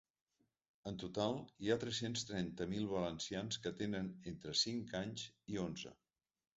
En total, hi ha tres-cents trenta mil valencians que tenen entre cinc anys i onze.